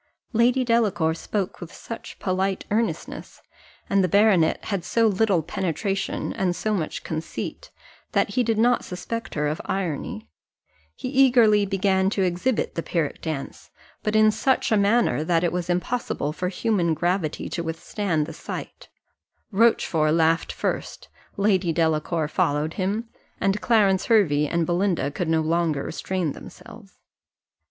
Lady Delacour spoke with such polite earnestness, and the baronet had so little penetration and so much conceit, that he did not suspect her of irony: he eagerly began to exhibit the Pyrrhic dance, but in such a manner that it was impossible for human gravity to withstand the sight Rochfort laughed first, Lady Delacour followed him, and Clarence Hervey and Belinda could no longer restrain themselves.